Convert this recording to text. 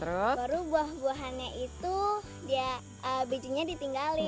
baru buah buahannya itu dia bijinya ditinggalin